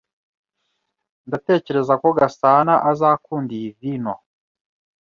Ndatekereza ko Gasanaazakunda iyi vino.